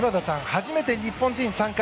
初めて日本人参加。